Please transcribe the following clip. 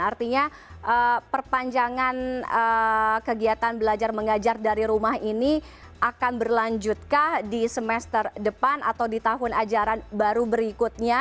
artinya perpanjangan kegiatan belajar mengajar dari rumah ini akan berlanjutkah di semester depan atau di tahun ajaran baru berikutnya